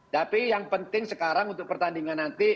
tapi yang penting sekarang untuk pertandingan nanti